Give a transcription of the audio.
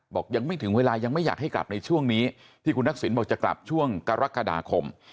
บอกยังไม่ถึงเวลายังไม่อยากให้กลับในช่วงนี้ที่คุณทักษิณบอกจะกลับช่วงกรกฎาคม